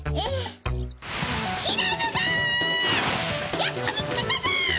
やっと見つけたぞ！